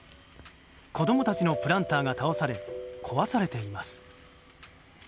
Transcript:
子供たちのプランターが倒され壊されています。